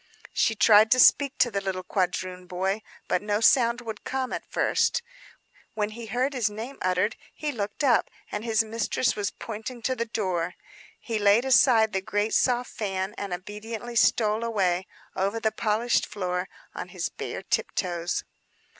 She tried to speak to the little quadroon boy; but no sound would come, at first. When he heard his name uttered, he looked up, and his mistress was pointing to the door. He laid aside the great, soft fan, and obediently stole away, over the polished floor, on his bare tiptoes.